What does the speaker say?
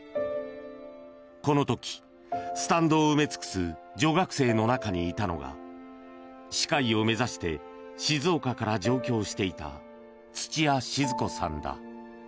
この時、スタンドを埋め尽くす女学生の中にいたのが歯科医を目指して静岡から上京していた土屋静子さんだ。